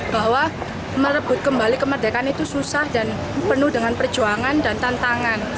bahwa merebut kembali kemerdekaan itu susah dan penuh dengan perjuangan dan tantangan